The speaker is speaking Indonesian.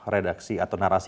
redaksi atau narasi